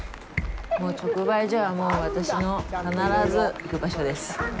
直売所は、私の必ず行く場所です。